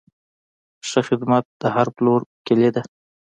ښه خدمت د هر پلور کلي ده.